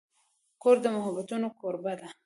کور د محبتونو کوربه دی.